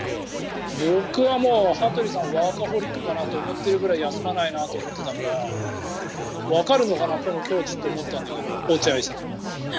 僕はもう羽鳥さんはワーカーホリックかなと思うぐらい休まないなと思ってたからわかるのかな、この境地と思ったんだけど落合さんの。